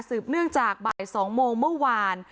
เนื่องจากบ่าย๒โมงเมื่อวาน